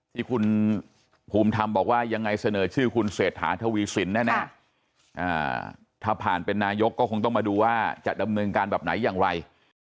ที่คุณภูมิธรรมบอกว่ายังไงเสนอชื่อคุณเศรษฐาทวีสินแน่ถ้าผ่านเป็นนายกก็คงต้องมาดูว่าจะดำเนินการแบบไหนอย่างไร